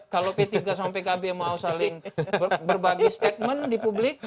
kalau p tiga sama pkb mau saling berbagi statement di publik